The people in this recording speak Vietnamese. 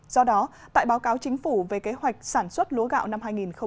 do đó tại báo cáo chính phủ về kế hoạch sản xuất lúa gạo năm hai nghìn hai mươi